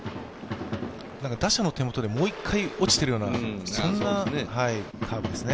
打者の手元でもう１回落ちているような、そんなカーブですね。